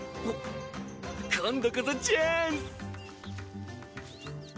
今度こそチャンス！